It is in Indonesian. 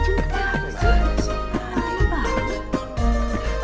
jun kemana sih